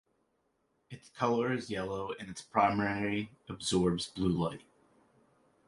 Its color is yellow, and it primarily absorbs blue light.